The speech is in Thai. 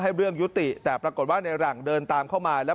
เรื่องยุติแต่ปรากฏว่าในหลังเดินตามเข้ามาแล้ว